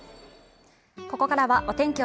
ここからはお天気